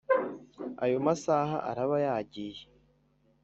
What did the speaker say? ayo masaha araba yagiye